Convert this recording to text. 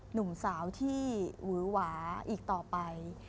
หนุ่มสาวที่หวือหวาอีกต่อไป